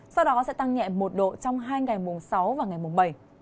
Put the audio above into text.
sau đó sẽ tăng nhẹ một độ trong hai ngày mùng sáu và ngày mùng bảy